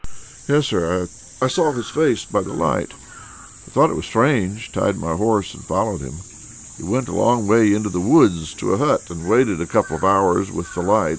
"Yes, sir; I saw his face by the light. I thought it strange, tied my horse and followed him. He went a long way into the woods to a hut, and waited a couple of hours with the light.